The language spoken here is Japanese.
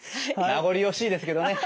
名残惜しいですけどね。